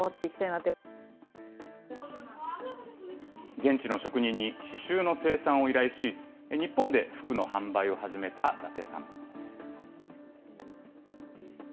現地の職人に刺しゅうの生産を依頼し、日本で服の販売を始めた伊達さん。